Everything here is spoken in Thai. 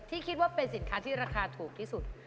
คิดว่าเป็นสินค้าที่ราคาถูกที่สุด